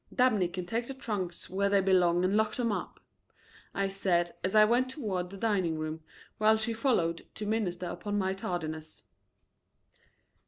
Dabney can take the trunks where they belong and lock them up," I said, as I went toward the dining room, while she followed to minister upon my tardiness.